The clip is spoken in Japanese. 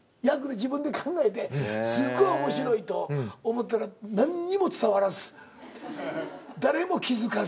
自分で考えてすごい面白いと思ったら何にも伝わらず誰も気付かず。